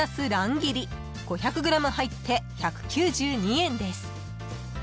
［５００ｇ入って１９２円です］